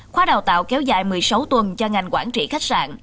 khóa đào tạo kéo dài một mươi sáu tuần cho ngành quản trị khách sạn